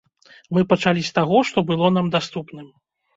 Мы пачалі з таго, што было нам даступным.